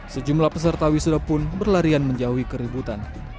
sejumlah peserta wisuda pun berlarian menjauhi keributan